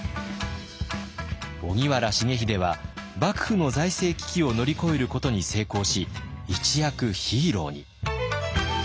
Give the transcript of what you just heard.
荻原重秀は幕府の財政危機を乗り越えることに成功し一躍ヒーローに。